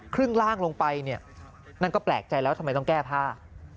ครึ่งร่างลงไปนั่นก็แปลกใจแล้วทำไมต้องแก้ผ้า